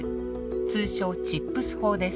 通称チップス法です。